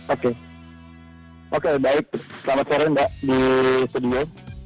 oke oke baik selamat sore mbak di studio